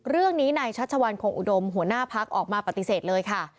เรื่องนี้นายชัชวัลคงอุดมหัวหน้าพักออกมาปฏิเสธเลยค่ะ